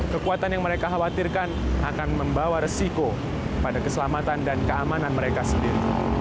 kekuatan yang mereka khawatirkan akan membawa resiko pada keselamatan dan keamanan mereka sendiri